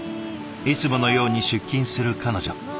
いつものように出勤する彼女。